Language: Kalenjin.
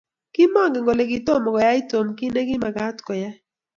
Kimangen ale kitoma koyai Tom kit ne kimagat koyai